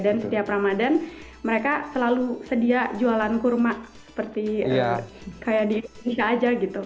dan setiap ramadan mereka selalu sedia jualan kurma seperti kayak di indonesia aja gitu